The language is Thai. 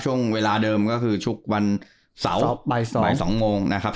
ช่วงเวลาเดิมก็คือทุกวันเสาร์บ่าย๒โมงนะครับ